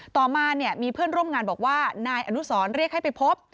ต่อมาเนี่ยมีเพื่อนร่วมงานบอกว่านายอนุสรเรียกให้ไปพบ